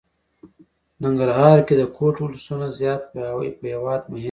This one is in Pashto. ننګرهار کې د کوټ ولسونه زيات په هېواد ميئن دي.